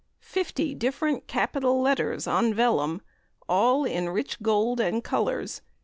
FIFTY DIFFERENT CAPITAL LETTERS on VELLUM; _all in rich Gold and Colours.